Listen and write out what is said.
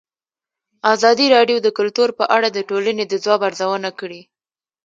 ازادي راډیو د کلتور په اړه د ټولنې د ځواب ارزونه کړې.